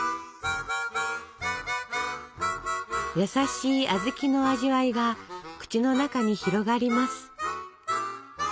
優しい小豆の味わいが口の中に広がります。